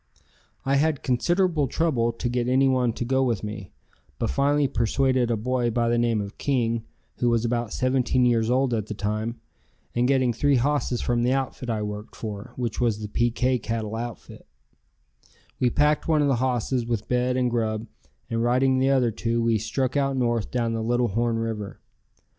I had considerable trouble to get anyone to go with me, but finally persuaded a boy by the name of King, who was about 17 years old at the time, and getting three hosses from the outfit I worked for, which was the PK cattle outfit, we packed one of the hosses with bed and grub, and riding the other two we struck out north down the Little Horn River.